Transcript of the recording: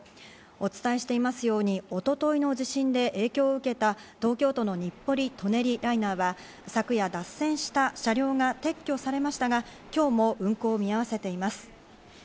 お伝えしていますように、一昨日の地震で影響を受けた東京都の日暮里・舎人ライナーは昨夜、脱線した車両が撤去されましたが、今日も運行を見合わせています。